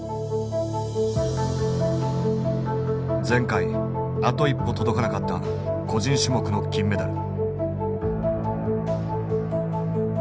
前回あと一歩届かなかった個人種目の金メダル。